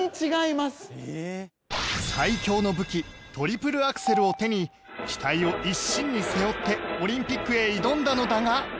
最強の武器トリプルアクセルを手に期待を一身に背負ってオリンピックへ挑んだのだが